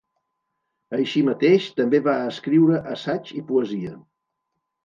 Així mateix, també va escriure assaigs i poesia.